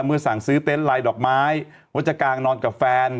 เมื่อสั่งซื้อเต็นต์ลายดอกไม้มัจกลางนอนกับแฟน